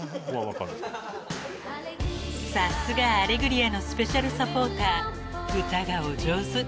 ［さすが『アレグリア』のスペシャルサポーター歌がお上手］